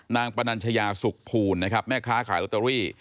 ปนัญชยาสุขภูลนะครับแม่ค้าขายลอตเตอรี่